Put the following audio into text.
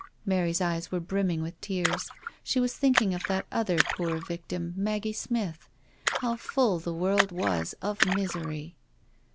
Mary's eyes were brimming with tears. She was think ing of that other poor victim, Maggie Smith. How full the world was of misery.